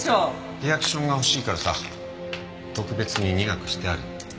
リアクションが欲しいからさ特別に苦くしてある。